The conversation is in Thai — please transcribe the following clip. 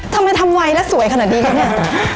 ทำไมทำไวแล้วสวยขนาดนี้กัน